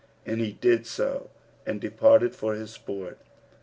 And he did so and departed for his sport.